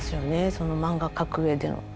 その漫画描くうえでの。